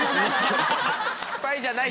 失敗じゃない。